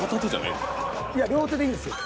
いや両手でいいんですよ。